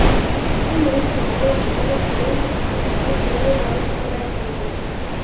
ثمَّ يُرْسَلُ إلَيْهِ الْمَلَكُ فَيَنْفُخُ فيهِ الرُّوحَ، وَيُؤمَرُ بأرْبَعِ كَلِمَاتٍ